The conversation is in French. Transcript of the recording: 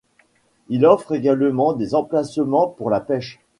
Il offre également des emplacements pour la pêche.